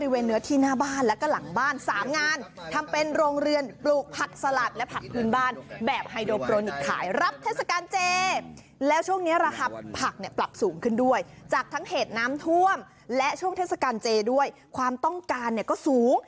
วันนี้รระหับผักปรับสูงขึ้นด้วยจากทั้งเหตุน้ำท่วมและเรื่องเทศกาลเจด้วยความต้องการสูง